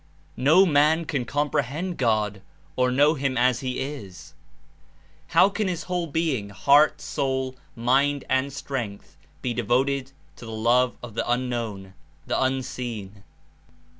No man can comprehend God or know him as he Is. How can his whole being, heart, soul, mind and strength, be devoted to the love of the Unknown, the Unseen?